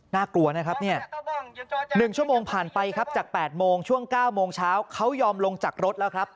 น่ากลัวนะครับเนี่ย๑ชั่วโมงผ่านไปครับจาก๘โมงช่วง๙โมงเช้าเขายอมลงจากรถแล้วครับ